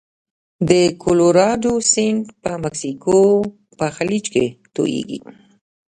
کلورادو سیند په مکسیکو په خلیج کې تویږي.